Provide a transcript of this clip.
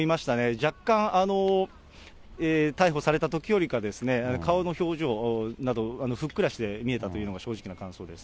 若干、逮捕されたときよりか、顔の表情など、ふっくらして見えたというのが正直な感想です。